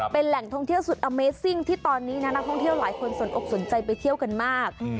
เป็นแหล่งท่องเที่ยวสุดอเมซิ่งที่ตอนนี้นะนักท่องเที่ยวหลายคนสนอกสนใจไปเที่ยวกันมาก